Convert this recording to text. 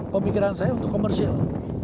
pemikiran saya untuk komersil